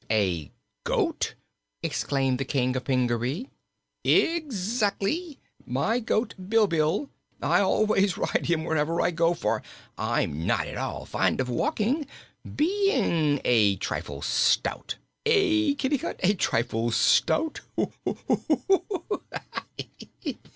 "A goat!" exclaimed the King of Pingaree. "Exactly; my goat Bilbil. I always ride him wherever I go, for I'm not at all fond of walking, being a trifle stout eh, Kitticut? a trifle stout!